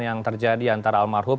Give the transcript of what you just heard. yang terjadi antara almarhum